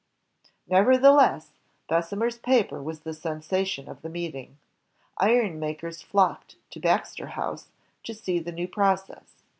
Never theless, Bessemer's paper was the sensation of the meeting. Iron makers flocked to "Baxter House" to see the new process.